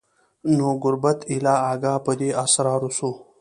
نو ګوربت ایله آګاه په دې اسرار سو